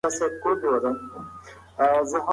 موږ باید هېڅکله د نورو په منفي پرېکړو باور ونه کړو.